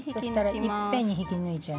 いっぺんに引き抜いちゃいます？